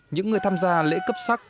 những người tham gia lễ cấp sắc